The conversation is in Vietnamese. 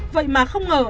vậy mà không ngờ